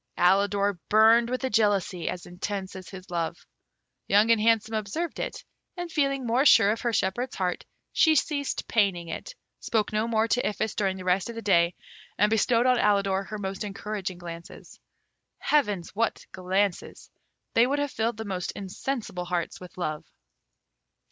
Alidor burned with a jealousy as intense as his love. Young and Handsome observed it, and feeling more sure of her shepherd's heart, she ceased paining it, spoke no more to Iphis during the rest of the day, and bestowed on Alidor her most encouraging glances. Heavens! what glances! they would have filled the most insensible hearts with love.